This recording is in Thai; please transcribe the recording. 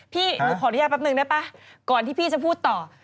พี่หนูขออนุญาตแป๊บนึงได้ป่ะก่อนที่พี่จะพูดต่อ